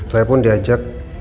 saya pun diajak